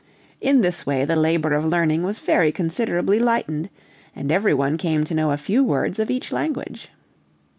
In this way, the labor of learning was very considerably lightened, and every one came to know a few words of each language.